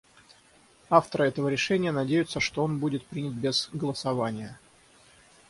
Авторы этого решения надеются, что он будет принят без голосования.